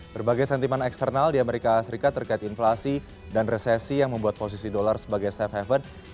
berbagai sentimen eksternal di amerika serikat terkait inflasi dan resesi yang membuat posisi dolar sebagai sebuah kondisi yang sangat berat